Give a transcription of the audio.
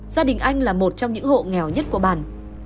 gia đình anh là một trong những hộ nghèo nhất của bản